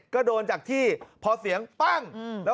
ก็โดนจากที่พอเสียงปั้ง